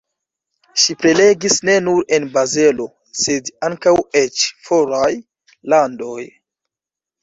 Ŝi prelegis ne nur en Bazelo, sed ankaŭ eĉ foraj landoj.